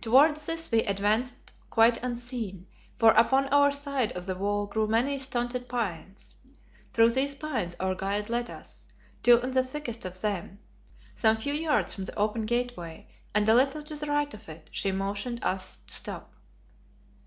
Towards this we advanced quite unseen, for upon our side of the wall grew many stunted pines. Through these pines our guide led us, till in the thickest of them, some few yards from the open gateway and a little to the right of it, she motioned to us to stop.